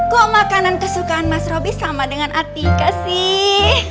kok makanan kesukaan mas roby sama dengan atika sih